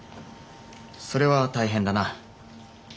それは大変だな。